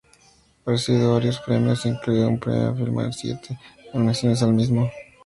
Ha recibido varios premios, incluido un premio Filmfare y siete nominaciones al mismo.